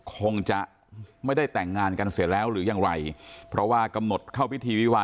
คงจะไม่ได้แต่งงานกันเสร็จแล้วหรือยังไรเพราะว่ากำหนดเข้าพิธีวิวา